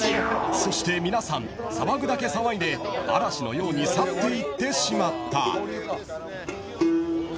そして皆さん騒ぐだけ騒いで嵐のように去っていってしまった。